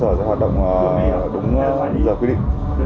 cơ sở sẽ hoạt động đúng lời quy định